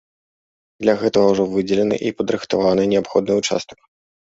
Для гэтага ўжо выдзелены і падрыхтаваны неабходны ўчастак.